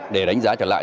để đánh giá trở lại